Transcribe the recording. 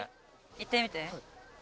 いってみて。